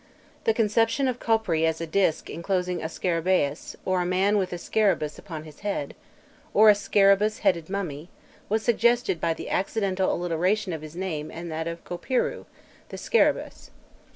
The conception of Khopri as a disk enclosing a scarabæus, or a man with a scarabous upon his head, or a scarabus headed mummy, was suggested by the accidental alliteration of his name and that of Khopirrû, the scarabæus.